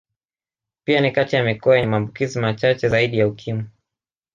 Pia ni kati ya mikoa yenye maambukizi machache zaidi ya Ukimwi